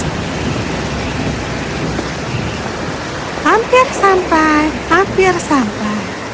hampir sampai hampir sampai